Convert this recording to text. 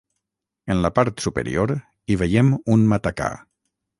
En la part superior hi veiem un matacà.